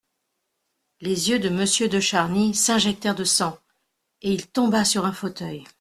Les yeux de Monsieur de Charny s'injectèrent de sang, et il tomba sur un fauteuil.